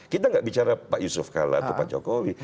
kita nggak bicara pak yusuf kalla atau pak jokowi